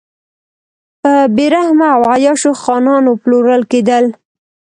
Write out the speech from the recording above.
په بې رحمه او عیاشو خانانو پلورل کېدل.